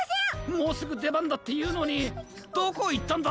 もうすぐでばんだっていうのにどこいったんだ！？